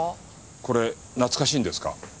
これ懐かしいんですか？